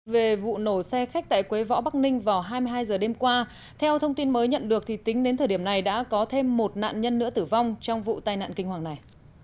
về vụ nổ xe khách tại quế võ bắc ninh vào hai mươi hai h đêm qua theo thông tin mới nhận được thì tính đến thời điểm này đã có thêm một nạn nhân nữa tử vong trong vụ tai nạn kinh hoàng này